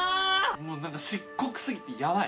もうなんか漆黒すぎてやばい。